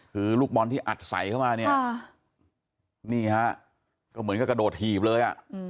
คือลูกบอลที่อัดใสเข้ามาเนี่ยก็เหมือนกระโดดหีบเลย